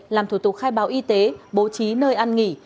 làm thủ tục khai báo y tế bố trí nơi ăn nghỉ